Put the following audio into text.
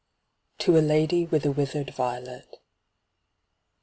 TO A LADY WITH A WITHERED VIOLET.